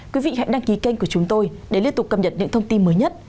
quý vị hãy đăng ký kênh của chúng tôi để liên tục cập nhật những thông tin mới nhất